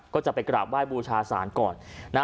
ก็จะไปกราบไหว้บูชาศาลก่อน